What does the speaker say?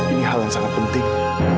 ini hal yang sangat penting